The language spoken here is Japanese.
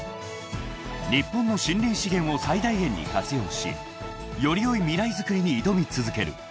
［日本の森林資源を最大限に活用しより良い未来づくりに挑み続ける］